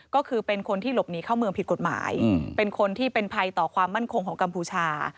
ก็คือเป็นคนที่หลบหนีเข้าเมืองผิดกฎหมายเป็นคนที่เป็นภัยต่อความมั่นคงของกัมพูชา